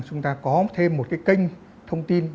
chúng ta có thêm một cái kênh thông tin